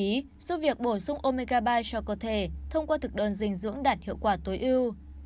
giúp việc bổ sung omega ba cho cơ thể thông qua thực đơn dinh dưỡng đạt hiệu quả tối ưu